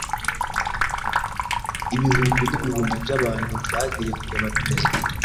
Ibihumbi n’ibihumbi by'abantu bagiye kureba Perezida.